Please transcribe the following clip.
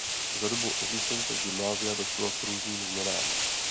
Za dobu existence gymnázia došlo k různým změnám.